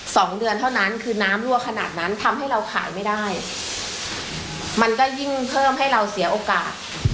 สองเดือนเท่านั้นคือน้ำรั่วขนาดนั้นทำให้เราขายไม่ได้มันก็ยิ่งเพิ่มให้เราเสียโอกาส